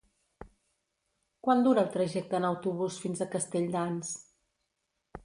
Quant dura el trajecte en autobús fins a Castelldans?